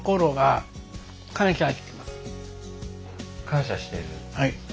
感謝してる？